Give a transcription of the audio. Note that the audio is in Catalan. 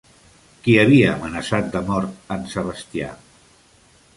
Qui havia amenaçat de mort en Sebastià?